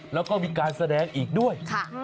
แล้วก็มีการแสดงอีกด้วย